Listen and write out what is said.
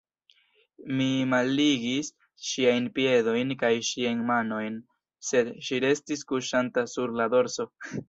Mi malligis ŝiajn piedojn kaj ŝiajn manojn, sed ŝi restis kuŝanta sur la dorso.